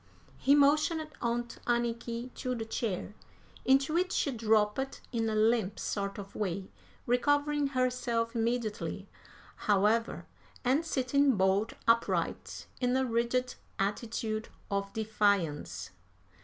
He motioned Aunt Anniky to the chair, into which she dropped in a limp sort of way, recovering herself immediately, however, and sitting bolt upright in a rigid attitude of defiance.